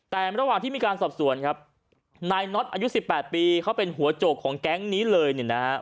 แต่ระหว่างที่มีการสอบสวนครับนายน็อตอายุ๑๘ปีเขาเป็นหัวโจกของแก๊งนี้เลยเนี่ยนะฮะ